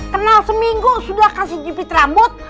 kenal seminggu sudah kasih gipit rambut